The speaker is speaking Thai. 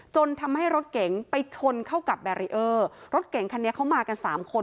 จนทำให้รถเก๋งไปชนเข้ากับแบรีเออร์รถเก่งคันนี้เขามากันสามคน